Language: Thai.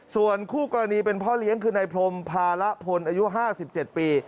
ส่วนคู่กรณีเป็นพ่อเลี้ยงคือนายพรมภาระพลอายุ๕๗ปี